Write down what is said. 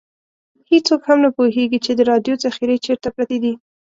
هېڅوک هم نه پوهېږي چې د رایو ذخیرې چېرته پرتې دي.